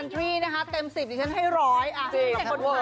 ไม่เชื่อไปฟังกันหน่อยค่ะ